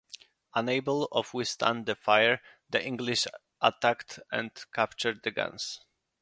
Unable to withstand the fire, the English attacked and captured the guns.